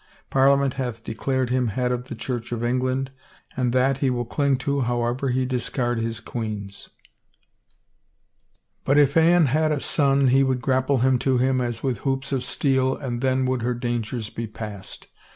Parliament hath declared him head of the Chureh of England and that he will cling to however he discard his queens — But if Anne had a son he would grapple him to him as with hoops of steel and then would her dangers be passed.